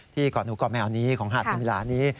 เกาะหนูเกาะแมวนี้ของหาดสมิลานี้